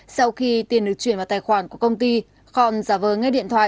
sau khi tiền được truyền vào tài khoản của công ty con giả vờ ngay điện thoại